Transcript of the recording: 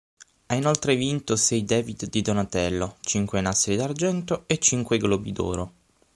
Ha inoltre vinto sei David di Donatello, cinque Nastri d'argento e cinque Globi d'oro.